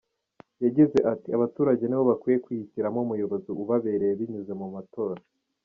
Yagize ati “Abaturage nibo bakwiye kwihitiramo umuyobozi ubabereye binyuze mu matora.